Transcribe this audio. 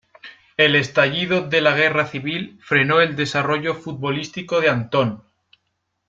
El estallido de la Guerra Civil frenó el desarrollo futbolístico de Antón.